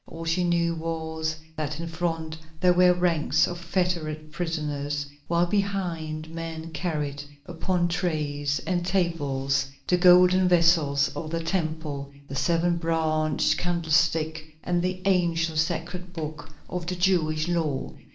All she knew was that in front there were ranks of fettered prisoners, while behind men carried upon trays and tables the golden vessels of the Temple, the seven branched candlestick and the ancient sacred book of the Jewish law.